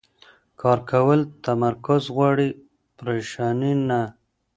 کار کول تمرکز غواړي، پریشاني نه.